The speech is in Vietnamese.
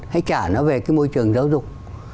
hãy trả nó về cái môi trường giáo dục